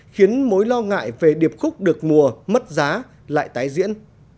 khiến mối lo ngại về điệp khúc được mùa mất giá lại tái diễn